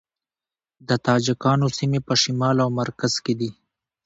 د تاجکانو سیمې په شمال او مرکز کې دي